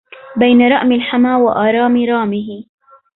بين رئم الحمى وآرام رامه